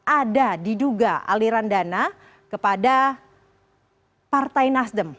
ada diduga aliran dana kepada partai nasdem